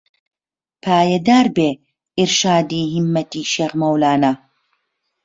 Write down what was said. پایەدار بێ ئیڕشادی هیممەتی شێخ مەولانە